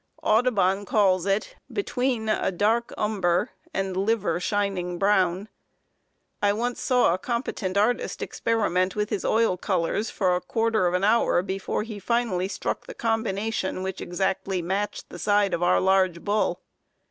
Audubon calls it "between a dark umber and liver shining brown." I once saw a competent artist experiment with his oil colors for a quarter of an hour before he finally struck the combination which exactly matched the side of our large bull.